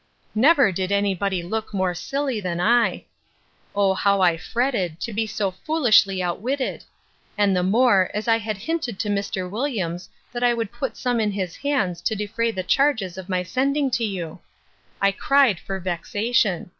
Never did any body look more silly than I.—O how I fretted, to be so foolishly outwitted!—And the more, as I had hinted to Mr. Williams, that I would put some in his hands to defray the charges of my sending to you. I cried for vexation.